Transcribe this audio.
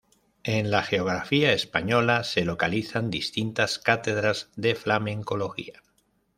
En la geografía española se localizan distintas cátedras de flamencología.